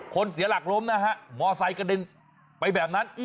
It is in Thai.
คนเสียหลักล้มมอเซ้กระเด็นไปแบบนั้น